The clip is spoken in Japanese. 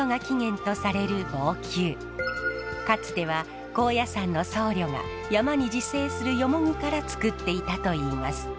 かつては高野山の僧侶が山に自生するヨモギからつくっていたといいます。